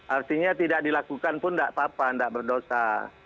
artinya tidak dilakukan pun tidak apa apa tidak berdosa